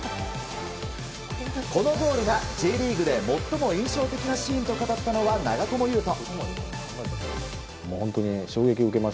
このゴールがＪリーグで最も印象的なシーンと語ったのは長友佑都。